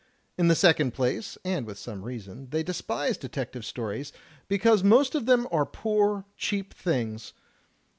In the second place, and with some reason, they despise detective stories because most of them are poor, cheap things.